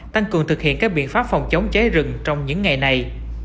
tăng cường thực hiện các biện pháp phòng chống cháy rừng trong những ngày này